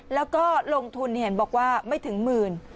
แล้วก็ลงทุนเห็นบอกว่าไม่ถึงหมื่น